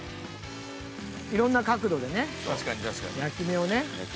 いろんな角度でね焼き目をね。